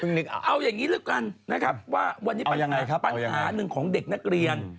เอาอย่างนี้แล้วกันนะครับว่าวันนี้ปัญหาปัญหาหนึ่งของเด็กนักเรียน